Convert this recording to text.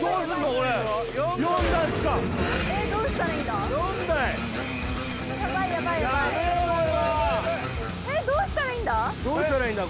これはどうしたらいいんだ